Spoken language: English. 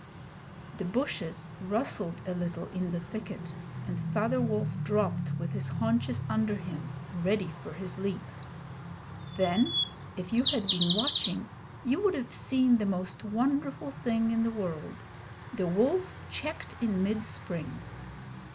The bushes rustled a little in the thicket, and Father Wolf dropped with his haunches under him, ready for his leap. Then, if you had been watching, you would have seen the most wonderful thing in the world the wolf checked in mid spring.